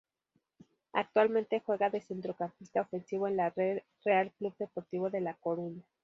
Actualmente juega de centrocampista ofensivo en la Real Club Deportivo de La Coruña.